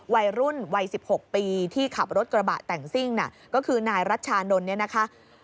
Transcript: วัยรุ่นวัย๑๖ปีที่ขับรถกระบะแต่งซิ่งน่ะก็คือนายรัชชานนท์เนี่ยนะคะ